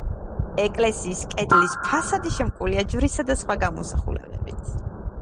ეკლესიის კედლის ფასადი შემკულია ჯვრისა და სხვა გამოსახულებებით.